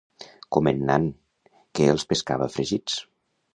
Com en Nan, que els pescava fregits.